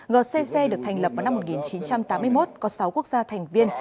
gcc được thành lập vào năm một nghìn chín trăm tám mươi một có sáu quốc gia thành viên